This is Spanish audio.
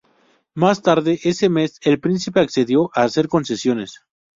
Más tarde ese mes, el príncipe accedió a hacer concesiones.